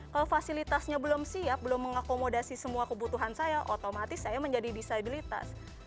kalau fasilitasnya belum siap belum mengakomodasi semua kebutuhan saya otomatis saya menjadi disabilitas